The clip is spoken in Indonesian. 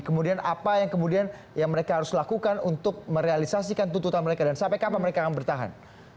kemudian apa yang kemudian yang mereka harus lakukan untuk merealisasikan tuntutan mereka dan sampai kapan mereka akan bertahan